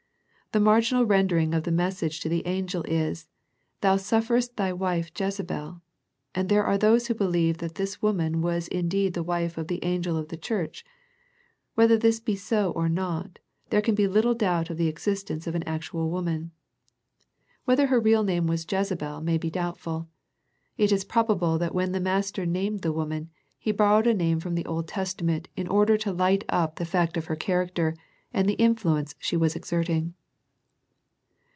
The mar ginal rendering of the message to the angel is, " Thou sufferest thy wife Jezebel," and there are those who believe that this woman was in deed the wife of the angel of the church. Whether this be so or not, there can be little doubt of the existence of an actual v/oman. Whether her real name was Jezebel may be The Thyatira Letter 1 1 9 doubtful. It is probable that when the Master named the woman, He borrowed a name from the Old Testament in order to light up the fact of her character, and the influence she was exerting.